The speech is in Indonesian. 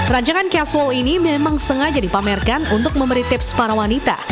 rancangan casual ini memang sengaja dipamerkan untuk memberi tips para wanita